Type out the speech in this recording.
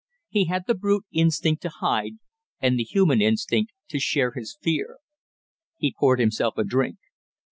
He had the brute instinct to hide, and the human instinct to share his fear. He poured himself a drink.